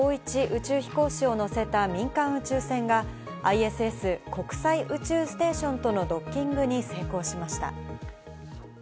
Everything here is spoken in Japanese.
宇宙飛行士を乗せた民間宇宙船がＩＳＳ＝国際宇宙ステーションとのドッキングに成功しました。